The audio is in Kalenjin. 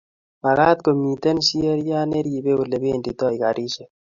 magat komiten Sheria neribe olebenditoi karishek